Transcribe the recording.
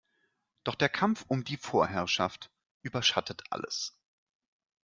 Doch der Kampf um die Vorherrschaft überschattet alles.